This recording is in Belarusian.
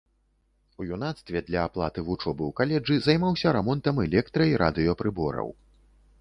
У юнацтве для аплаты вучобы ў каледжы займаўся рамонтам электра-і радыёпрыбораў.